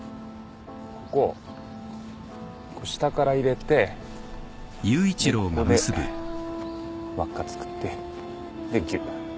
ここ下から入れてでここで輪っか作ってでぎゅっ。